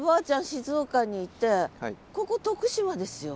静岡にいてここ徳島ですよ？